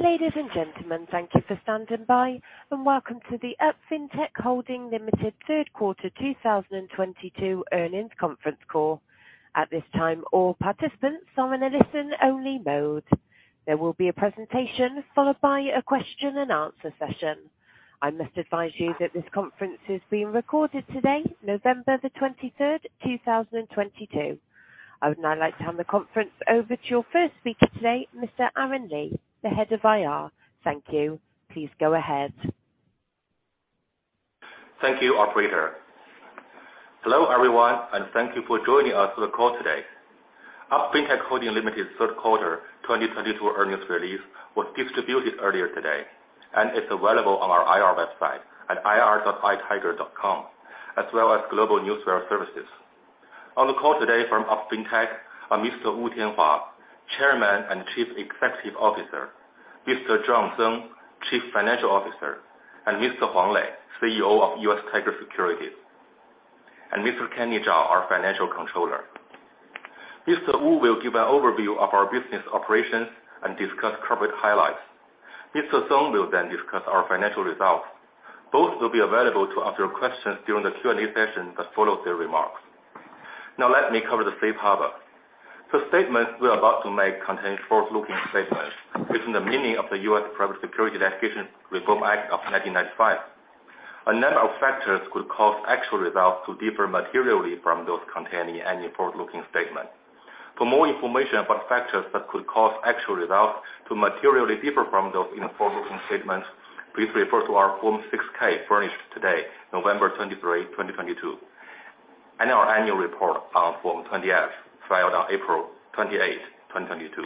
Ladies and gentlemen, thank you for standing by, and welcome to the UP Fintech Holding Limited third quarter 2022 Earnings Conference Call. At this time, all participants are in a listen only mode. There will be a presentation, followed by a question and answer session. I must advise you that this conference is being recorded today, November the 23rd, 2022. I would now like to hand the conference over to your first speaker today, Mr. Aaron Lee, the Head of IR. Thank you. Please go ahead. Thank you, operator. Hello, everyone, and thank you for joining us for the call today. UP Fintech Holding Limited Third Quarter 2022 Earnings Release was distributed earlier today, and it's available on our IR website at ir.itiger.com, as well as global newsletter services. On the call today from UP Fintech are Mr. Wu Tianhua, Chairman and Chief Executive Officer, Mr. John Zeng, Chief Financial Officer, and Mr. Huang Lei, CEO of US Tiger Securities, and Mr. Kenny Zhao, our Financial Controller. Mr. Wu will give an overview of our business operations and discuss corporate highlights. Mr. Zeng will discuss our financial results. Both will be available to answer questions during the Q&A session that follows their remarks. Let me cover the safe harbor. The statements we are about to make contain forward-looking statements within the meaning of the U.S. Private Securities Litigation Reform Act of 1995. A number of factors could cause actual results to differ materially from those contained in any forward-looking statement. For more information about factors that could cause actual results to materially differ from those in the forward-looking statements, please refer to our Form 6-K furnished today, November 23, 2022, and our annual report on Form 20-F, filed on April 28, 2022.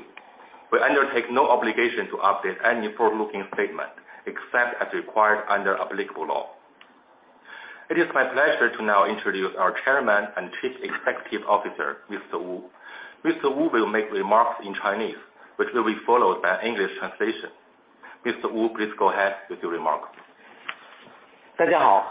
We undertake no obligation to update any forward-looking statement, except as required under applicable law. It is my pleasure to now introduce our Chairman and Chief Executive Officer, Mr. Wu. Mr. Wu will make remarks in Chinese, which will be followed by an English translation. Mr. Wu, please go ahead with your remarks. Hello,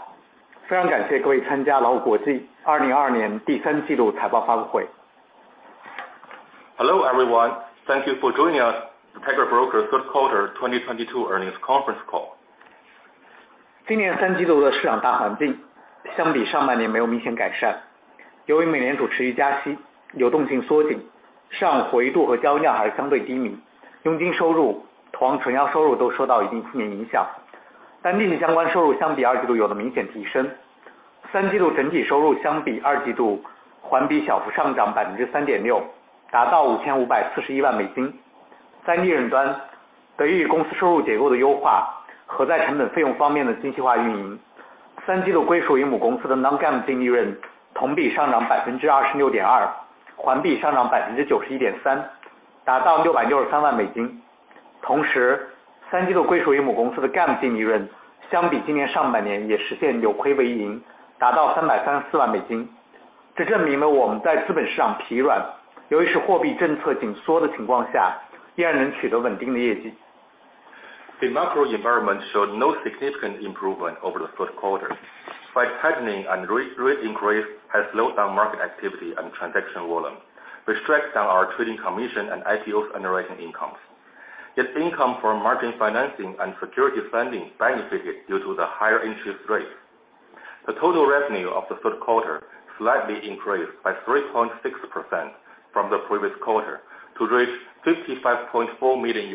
everyone. Thank you for joining us. The Tiger Brokers Third Quarter 2022 Earnings Conference Call. The macro environment showed no significant improvement over the third quarter. Price tightening and re-rate increase has slowed down market activity and transaction volume, which drags down our trading commission and IPOs underwriting incomes. Income from margin financing and securities lending benefited due to the higher interest rates. The total revenue of the third quarter slightly increased by 3.6% from the previous quarter to reach $55.4 million.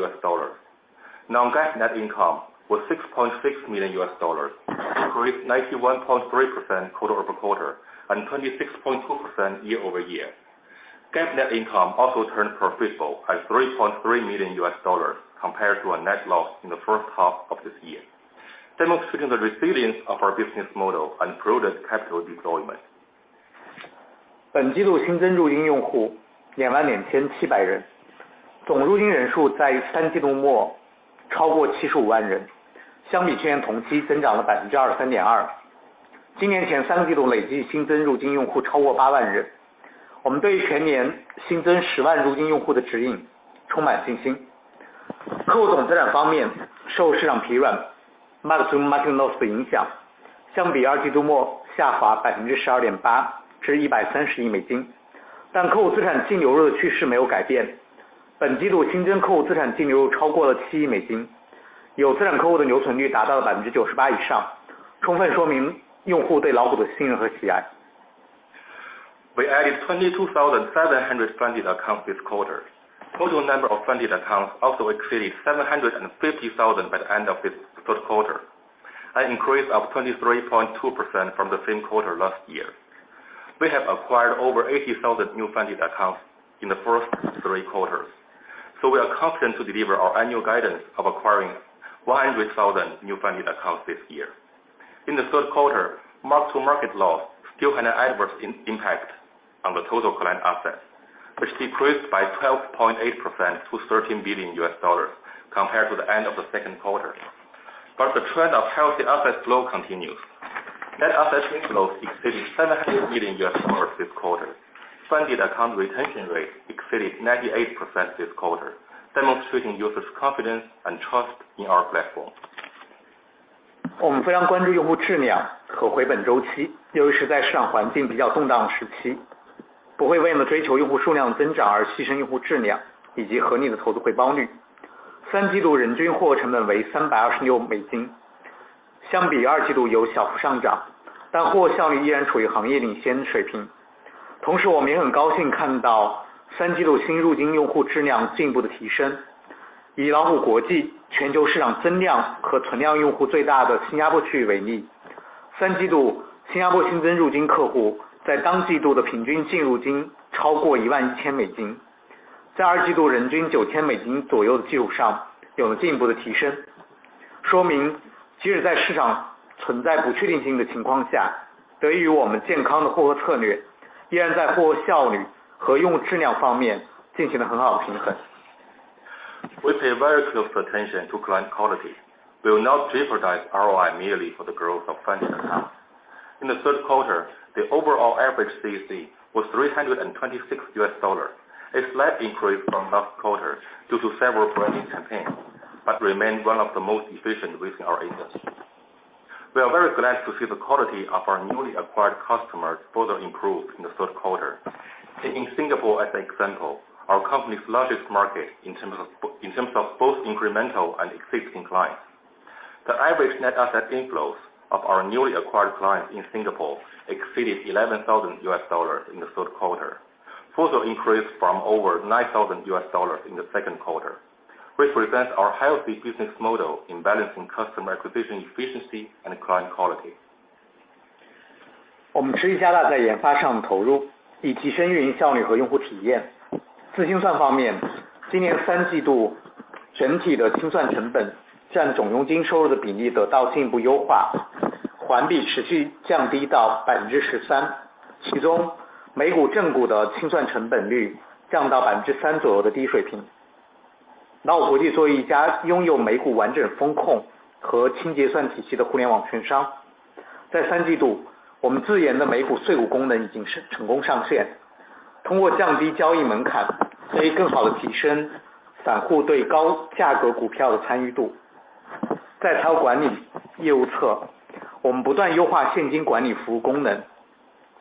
Non-GAAP net income was $6.6 million, increased 91.3% quarter-over-quarter and 26.2% year-over-year. GAAP net income also turned profitable at $3.3 million compared to a net loss in the first half of this year, demonstrating the resilience of our business model and product capital deployment. We added 22,700 funded accounts this quarter. Total number of funded accounts exceeded 750,000 by the end of this third quarter, an increase of 23.2% from the same quarter last year. We have acquired over 80,000 new funded accounts in the first three quarters, we are confident to deliver our annual guidance of acquiring 100,000 new funded accounts this year. In the third quarter, mark-to-market loss still had an adverse impact on the total client assets, which decreased by 12.8% to $13 billion compared to the end of the second quarter. The trend of healthy asset flow continues. Net asset inflows exceeded $700 million this quarter. Funded account retention rate exceeded 98% this quarter, demonstrating users' confidence and trust in our platform. 我们非常关注用户质量和回本周 期， 由于是在市场环境比较动荡的时 期， 不会为了追求用户数量的增长而牺牲用户质量以及合理的投资回报率。三季度人均获客成本为三百二十六美 金， 相比二季度有小幅上 涨， 但获客效率依然处于行业领先水平。同时我们也很高兴看到三季度新入金用户质量进一步的提升。以老虎国际全球市场增量和存量用户最大的新加坡区域为 例， 三季度新加坡新增入金客户在当季度的平均净入金超过一万一千美 金， 在二季度人均九千美金左右的基础上有了进一步的提升。说明即使在市场存在不确定性的情况 下， 得益于我们健康的获客策 略， 依然在获客效率和用户质量方面进行了很好的平衡。We pay very close attention to client quality. We will not jeopardize ROI merely for the growth of funding accounts. In the third quarter, the overall average CAC was $326. A slight increase from last quarter due to several branding campaigns. Remained one of the most efficient within our industry. We are very glad to see the quality of our newly acquired customers further improved in the third quarter. Taking Singapore as an example, our company's largest market in terms of both incremental and existing clients. The average net asset inflows of our newly acquired clients in Singapore exceeded $11,000 in the third quarter, further increase from over $9,000 in the second quarter, which reflects our healthy business model in balancing customer acquisition, efficiency, and client quality. 我们持续加大在研发上的投 入， 以提升运营效率和用户体验。自清算方 面， 今年三季度整体的清算成本占总佣金收入的比例得到进一步优 化， 环比持续降低到百分之十 三， 其中美股正股的清算成本率降到百分之三左右的低水平。老虎国际作为一家拥有美股完整风控和清结算体系的互联网券 商， 在三季度我们自研的美股碎股功能已经成-成功上 线， 通过降低交易门 槛， 可以更好地提升散户对高价格股票的参与度。在财富管理业务 侧， 我们不断优化现金管理服务功能。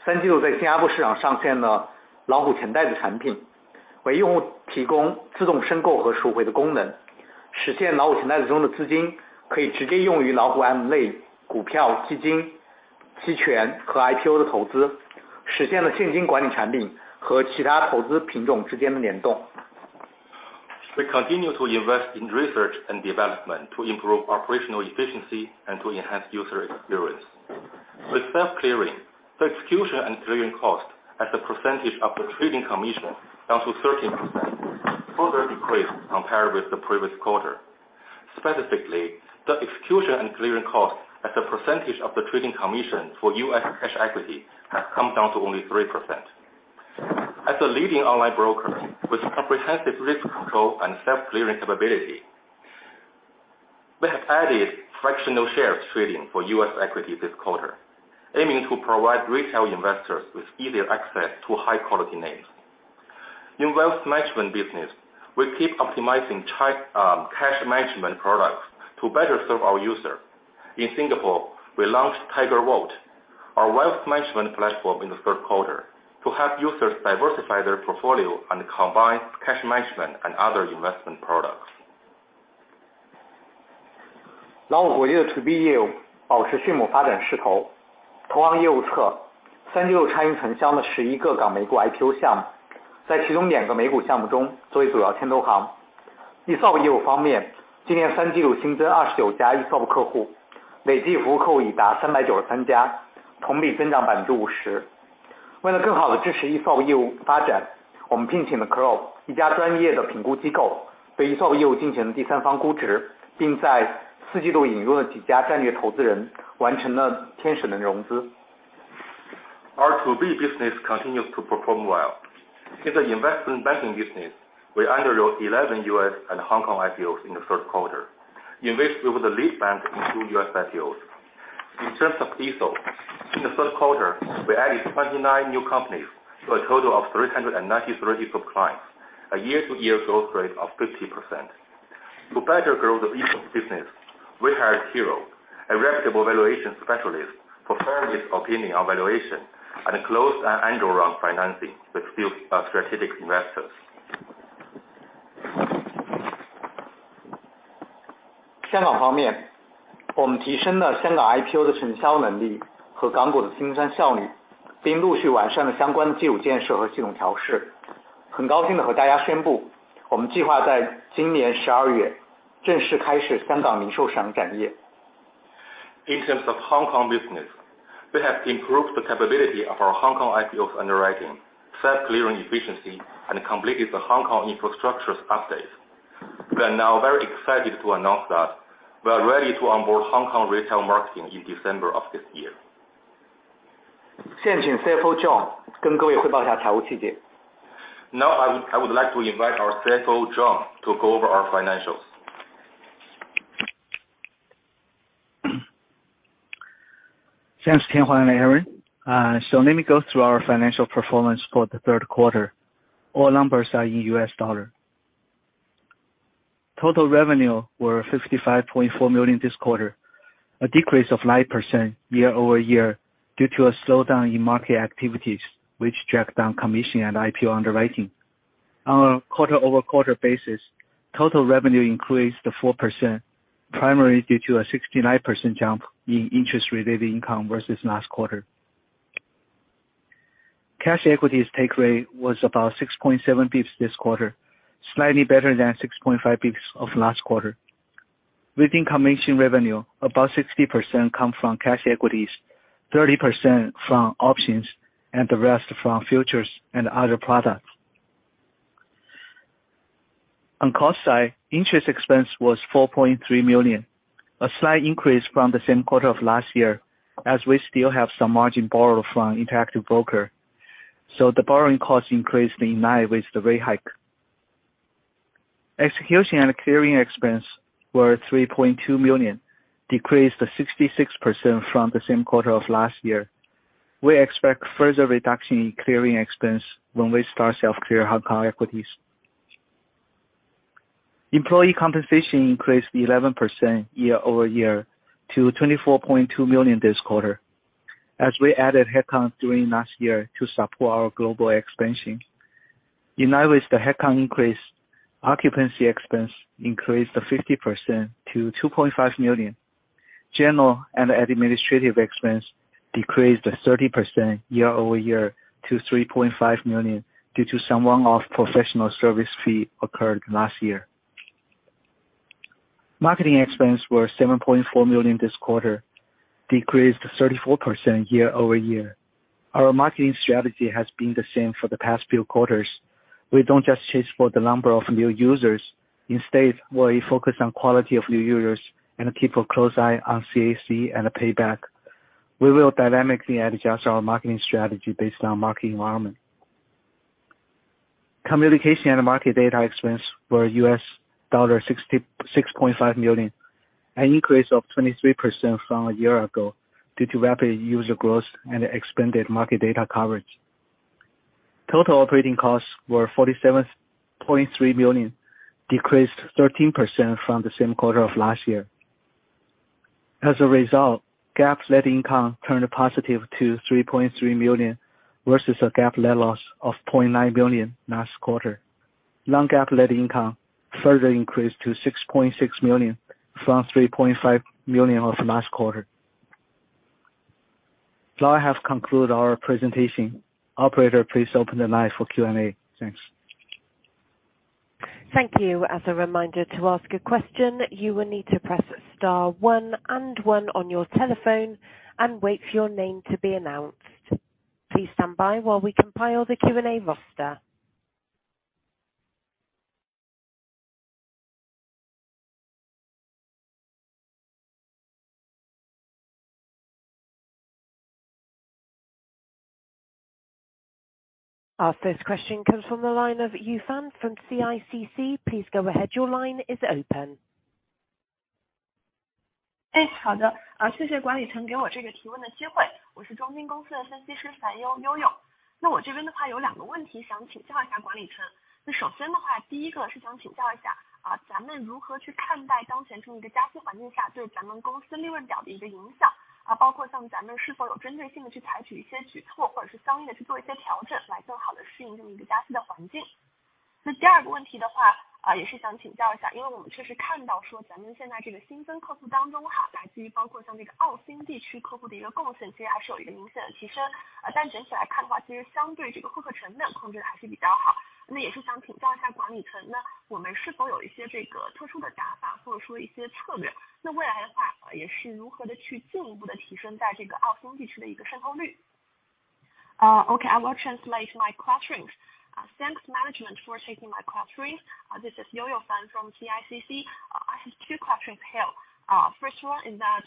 三季度在新加坡市场上线了老虎钱袋子产 品， 为用户提供自动申购和赎回的功 能， 实现老虎钱袋子中的资金可以直接用于老虎安类股票、基金、期权和 IPO 的投 资， 实现了现金管理产品和其他投资品种之间的联动。We continue to invest in research and development to improve operational efficiency and to enhance user experience. With self-clearing, the execution and clearing cost as a percentage of the trading commission down to 13%, further decreased compared with the previous quarter. Specifically, the execution and clearing cost as a percentage of the trading commission for U.S. cash equity has come down to only 3%. As a leading online broker with comprehensive risk control and self-clearing capability, we have added fractional shares trading for U.S. equity this quarter, aiming to provide retail investors with easier access to high-quality names. In wealth management business, we keep optimizing cash management products to better serve our user. In Singapore, we launched Tiger Vault, our wealth management platform, in the third quarter to help users diversify their portfolio and combine cash management and other investment products. 老虎国际的 To B 业务保持迅猛发展势头。投行业务 侧， 三季度参与承销了十一个港美股 IPO 项 目， 在其中两个美股项目中作为主要牵头行。ESOP 业务方 面， 今年三季度新增二十九家 ESOP 客 户， 累计服务客户已达三百九十三 家， 同比增长百分之五十。为了更好地支持 ESOP 业务发 展， 我们聘请了 CROW 一家专业的评估机 构， 对 ESOP 业务进行了第三方估 值， 并在四季度引入了几家战略投资 人， 完成了天使轮融资。Our B2B business continues to perform well. In the investment banking business, we underwrote 11 US and Hong Kong IPOs in the third quarter. In which we were the lead bank in two U.S. IPOs. In terms of ESOP, in the third quarter, we added 29 new companies to a total of 393 group clients. A year-over-year growth rate of 50%. To better grow the ESOP business, we hired Crowe, a reputable valuation specialist, for fairness opinion on valuation and closed an angel round financing with few strategic investors. 香港方 面， 我们提升了香港 IPO 的承销能力和港股的清算效 率， 并陆续完善了相关的技术建设和系统调试。很高兴地和大家宣 布， 我们计划在今年十二月正式开始香港零售商开展业。In terms of Hong Kong business, we have improved the capability of our Hong Kong IPOs underwriting, self-clearing efficiency, and completed the Hong Kong infrastructure updates. We are now very excited to announce that we are ready to onboard Hong Kong retail market in December of this year. 现请 CFO John 跟各位汇报一下财务细 节. Now, I would, I would like to invite our CFO, John, to go over our financials. Thanks Tianhua and Aaron. Let me go through our financial performance for the third quarter. All numbers are in US dollar. Total revenue were $55.4 million this quarter, a decrease of 9% year-over-year due to a slowdown in market activities, which dragged down commission and IPO underwriting. On a quarter-over-quarter basis, total revenue increased to 4%, primarily due to a 69% jump in interest related income versus last quarter. Cash equities take rate was about 6.7 basis points this quarter, slightly better than 6.5 basis points of last quarter. Within commission revenue, about 60% come from cash equities, 30% from options and the rest from futures and other products. On cost side, interest expense was $4.3 million, a slight increase from the same quarter of last year as we still have some margin borrowed from Interactive Brokers. The borrowing cost increased in line with the rate hike. Execution and clearing expense were $3.2 million, decreased to 66% from the same quarter of last year. We expect further reduction in clearing expense when we start self-clear Hong Kong equities. Employee compensation increased 11% year-over-year to $24.2 million this quarter as we added headcount during last year to support our global expansion. In line with the headcount increase, occupancy expense increased to 50% to $2.5 million. General and administrative expense decreased to 30% year-over-year to $3.5 million due to some one-off professional service fee occurred last year. Marketing expense were $7.4 million this quarter, decreased 34% year-over-year. Our marketing strategy has been the same for the past few quarters. We don't just chase for the number of new users. Instead, we focus on quality of new users and keep a close eye on CAC and payback. We will dynamically adjust our marketing strategy based on market environment. Communication and market data expense were $6.5 million, an increase of 23% from a year ago due to rapid user growth and expanded market data coverage. Total operating costs were $47.3 million, decreased 13% from the same quarter of last year. As a result, GAAP net income turned positive to $3.3 million versus a GAAP net loss of $0.9 million last quarter. Non-GAAP net income further increased to $6.6 million from $3.5 million of last quarter. I have conclude our presentation. Operator, please open the line for Q&A. Thanks. Thank you. As a reminder, to ask a question, you will need to press star one and one on your telephone and wait for your name to be announced. Please stand by while we compile the Q&A roster. Our first question comes from the line of Yu Fan from CICC. Please go ahead. Your line is open. Okay. I will translate my questions. Thanks management for taking my call through. This is Yu Fan from CICC. I have two questions here. First one is that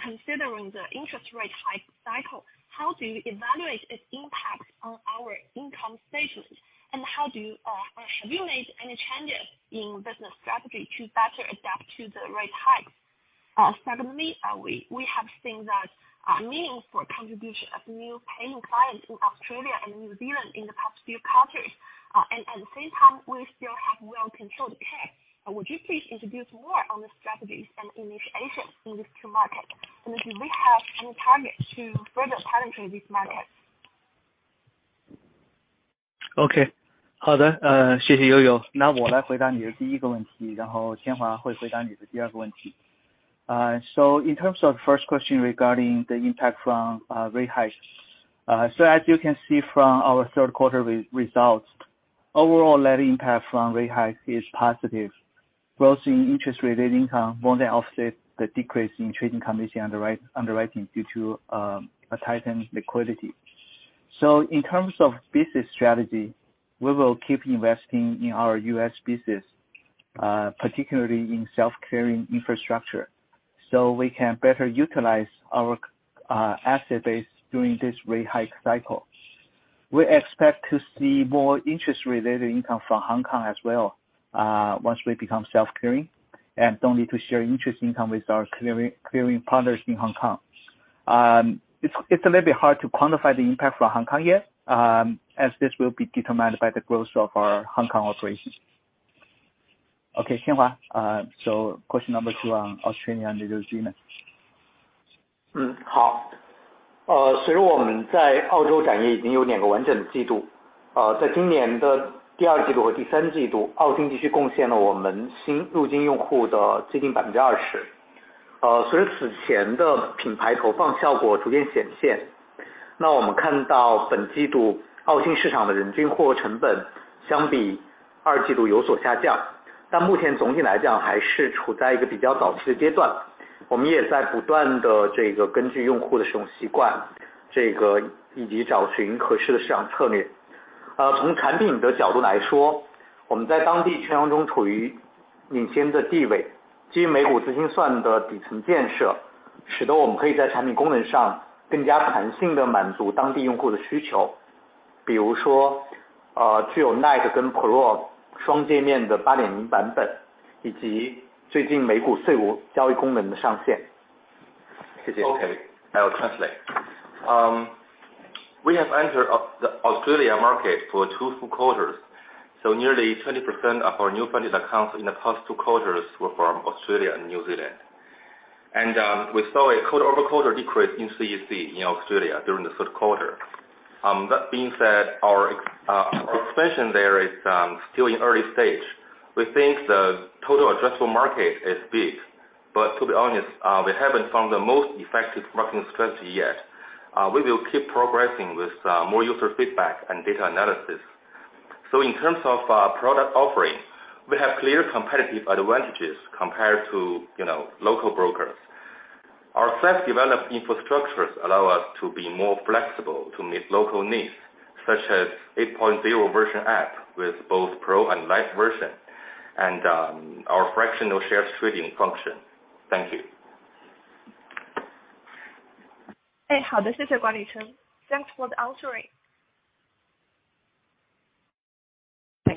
considering the interest rate hike cycle, how do you evaluate its impact on our income statement? How do you, have you made any changes in business strategy to better adapt to the rate hikes? Secondly, we have seen that meaningful contribution of new paying clients in Australia and New Zealand in the past few quarters. At same time we still have well-controlled CAPEX. Would you please introduce more on the strategies and initiation in these two markets? Do we have any target to further penetrate these markets? Okay. In terms of first question regarding the impact from rate hikes. As you can see from our third quarter results, overall net impact from rate hike is positive. Grossing interest related income more than offset the decrease in trading commission underwriting due to a tightened liquidity. In terms of business strategy, we will keep investing in our U.S. business, particularly in self-clearing infrastructure, so we can better utilize our asset base during this rate hike cycle. We expect to see more interest-related income from Hong Kong as well, once we become self-clearing and don't need to share interest income with our clearing partners in Hong Kong. It's a little bit hard to quantify the impact for Hong Kong yet, as this will be determined by the growth of our Hong Kong operations. Okay, Tianhua. Question number two on Australia and New Zealand. Okay. I will translate. We have entered the Australia market for two full quarters, nearly 20% of our new funded accounts in the past two quarters were from Australia and New Zealand. We saw a quarter-over-quarter decrease in CEC in Australia during the third quarter. That being said, our expansion there is still in early stage. We think the total addressable market is big, but to be honest, we haven't found the most effective marketing strategy yet. We will keep progressing with more user feedback and data analysis. In terms of product offering, we have clear competitive advantages compared to, you know, local brokers. Our self-developed infrastructures allow us to be more flexible to meet local needs, such as 8.0 version app with both pro and light version and our fractional shares trading function. Thank you. Thanks for the answer.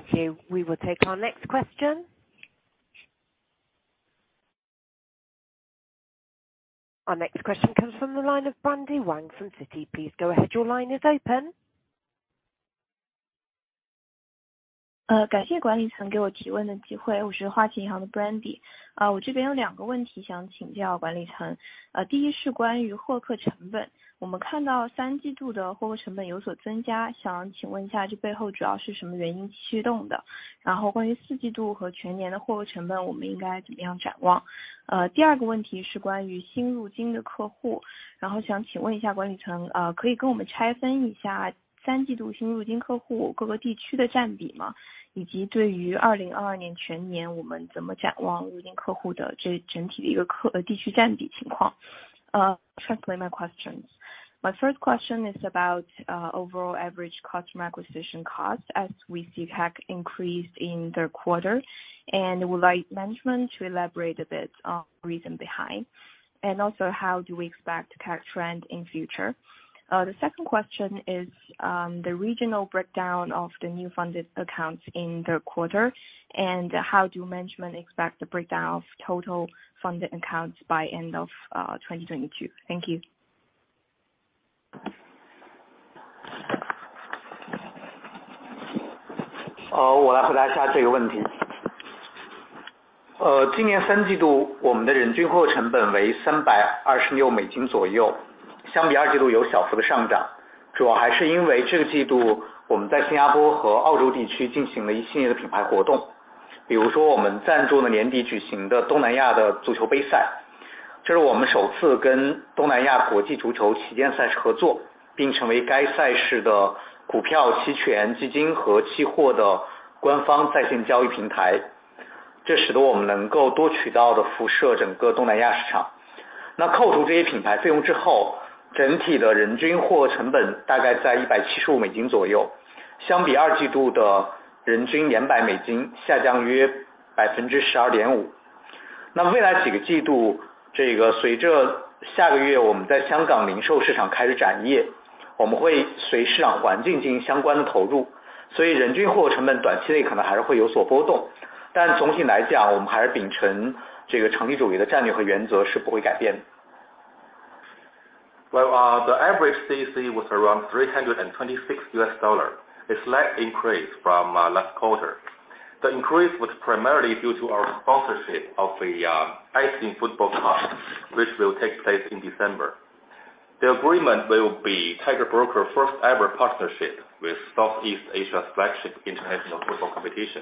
Thank you. We will take our next question. Our next question comes from the line of Judy Zhang from Citi. Please go ahead. Your line is open. Brandy, translate my questions. My first question is about overall average customer acquisition cost as we see CAC increased in the quarter. Would like management to elaborate a bit on reason behind and also how do we expect CAC trend in future? The second question is the regional breakdown of the new funded accounts in the quarter. How do management expect the breakdown of total funded accounts by end of 2022? Thank you. Well, the average CAC was around $326, a slight increase from last quarter. The increase was primarily due to our sponsorship of the ASEAN Football Cup, which will take place in December. The agreement will be Tiger Brokers' first-ever partnership with Southeast Asia's flagship international football competition,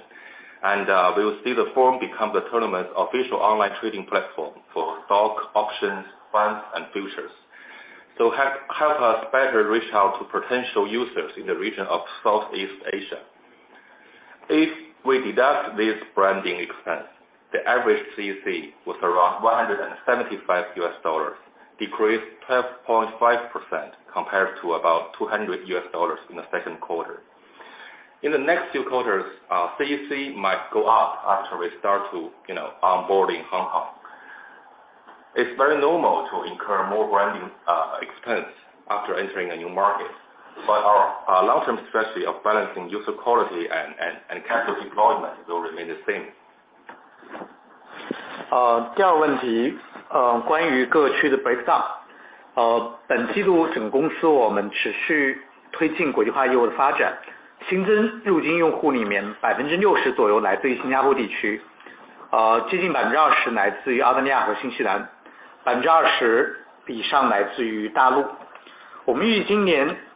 we will see the firm become the tournament's official online trading platform for stock, options, funds, and futures. help us better reach out to potential users in the region of Southeast Asia. If we deduct this branding expense, the average CAC was around $175, decreased 12.5% compared to about $200 in the second quarter. In the next few quarters, CAC might go up after we start to, you know, onboarding Hong Kong. It's very normal to incur more branding, expense after entering a new market. Our long-term strategy of balancing user quality and capital deployment will remain the same.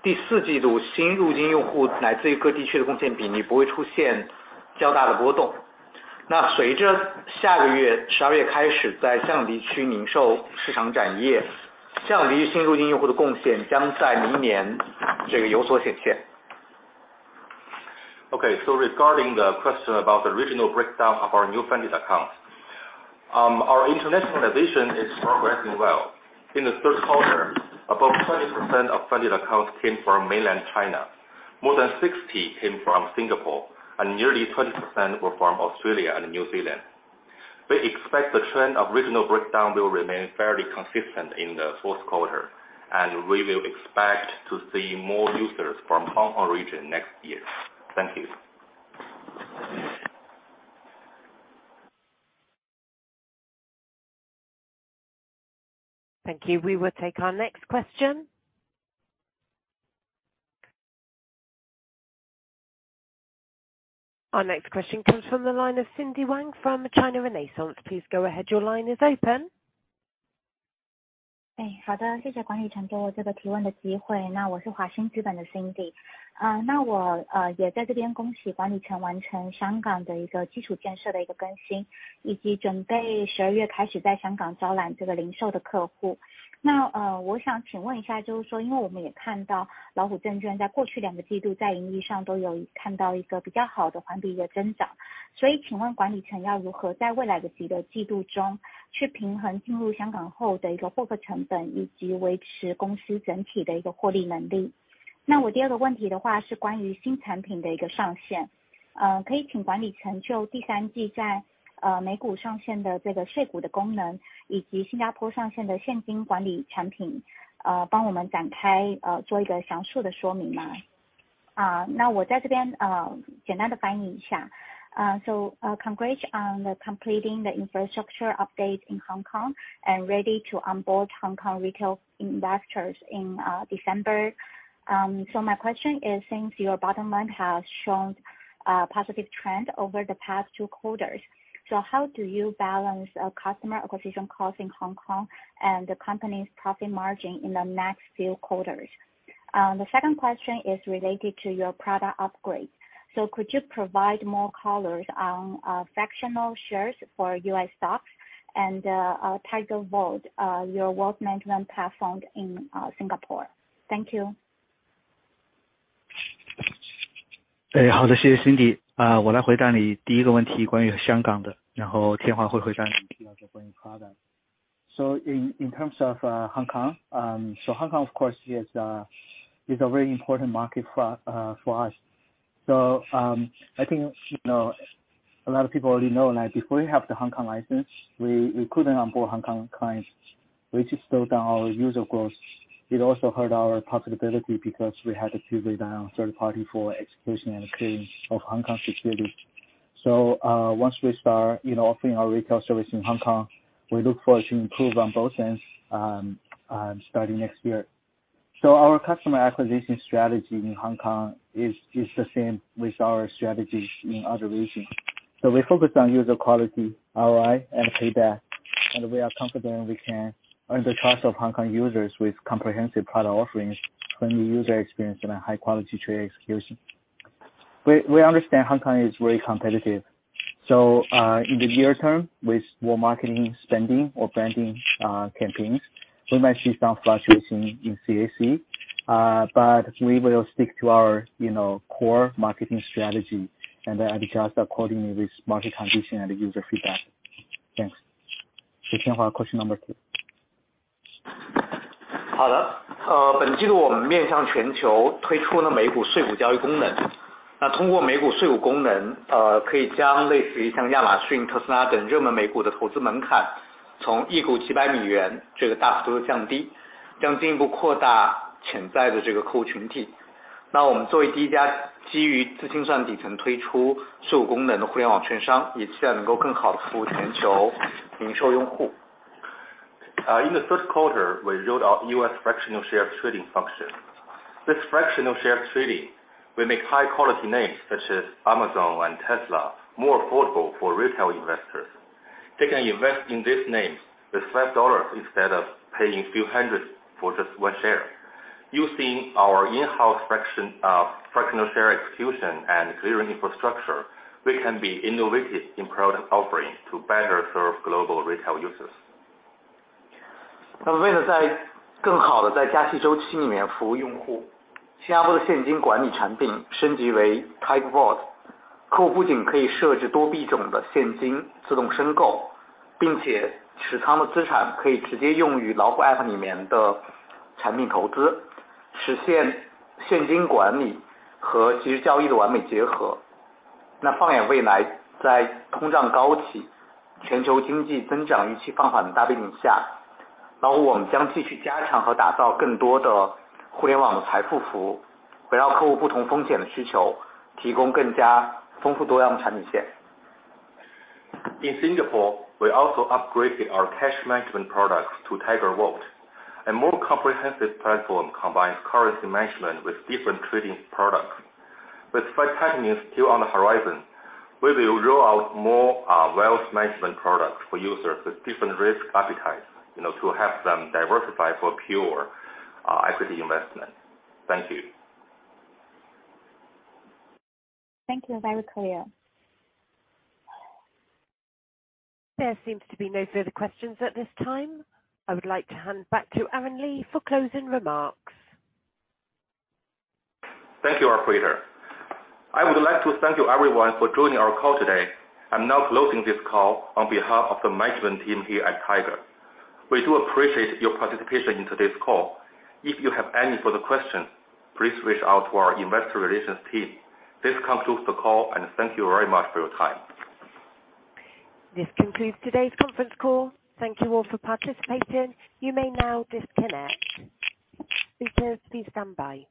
Okay. Regarding the question about the regional breakdown of our new funded accounts, our internationalization is progressing well. In the third quarter, about 20% of funded accounts came from mainland China. More than 60% came from Singapore, and nearly 20% were from Australia and New Zealand. We expect the trend of regional breakdown will remain fairly consistent in the fourth quarter. We will expect to see more users from Hong Kong region next year. Thank you. Thank you. We will take our next question. Our next question comes from the line of Cindy Wang from China Renaissance. Please go ahead. Your line is open. Congrats on completing the infrastructure update in Hong Kong and ready to onboard Hong Kong retail investors in December. My question is, since your bottom line has shown a positive trend over the past two quarters, how do you balance Customer Acquisition Costs in Hong Kong and the company's profit margin in the next few quarters? The second question is related to your product upgrades. Could you provide more colors on fractional shares for U.S. stocks and our Tiger Vault, your wealth management platform in Singapore. Thank you. In terms of Hong Kong, Hong Kong, of course, is a very important market for us. I think, you know, a lot of people already know, like, before we have the Hong Kong license, we couldn't onboard Hong Kong clients, which slowed down our user growth. It also hurt our profitability because we had to pay down third party for execution and clearing of Hong Kong securities. Once we start, you know, offering our retail service in Hong Kong, we look forward to improve on both ends starting next year. Our customer acquisition strategy in Hong Kong is the same with our strategies in other regions. We focus on user quality, ROI and payback, and we are confident we can earn the trust of Hong Kong users with comprehensive product offerings from the user experience and a high-quality trade execution. We understand Hong Kong is very competitive. In the near term with more marketing spending or branding campaigns, we might see some fluctuation in CAC, but we will stick to our, you know, core marketing strategy and then adjust accordingly with market condition and user feedback. Thanks. Tianhua, question number two. In the third quarter, we rolled out U.S. fractional shares trading function. This fractional shares trading will make high quality names such as Amazon and Tesla more affordable for retail investors. They can invest in these names with $5 instead of paying a few hundred for just one share. Using our in-house fractional share execution and clearing infrastructure, we can be innovative in product offerings to better serve global retail users. In Singapore, we also upgraded our cash management products to Tiger Vault. A more comprehensive platform combines currency management with different trading products. With five tightening still on the horizon, we will roll out more wealth management products for users with different risk appetite, you know, to help them diversify for pure equity investment. Thank you. Thank you. Very clear. There seems to be no further questions at this time. I would like to hand back to Aaron Lee for closing remarks. Thank you, operator. I would like to thank you everyone for joining our call today. I'm now closing this call on behalf of the management team here at Tiger. We do appreciate your participation in today's call. If you have any further questions, please reach out to our investor relations team. This concludes the call. Thank you very much for your time. This concludes today's conference call. Thank you all for participating. You may now disconnect. Speakers, please stand by.